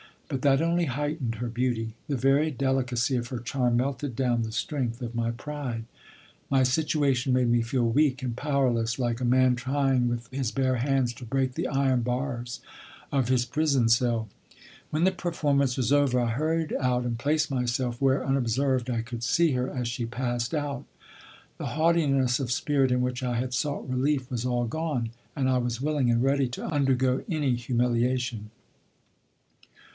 But that only heightened her beauty; the very delicacy of her charm melted down the strength of my pride. My situation made me feel weak and powerless, like a man trying with his bare hands to break the iron bars of his prison cell. When the performance was over, I hurried out and placed myself where, unobserved, I could see her as she passed out. The haughtiness of spirit in which I had sought relief was all gone, and I was willing and ready to undergo any humiliation.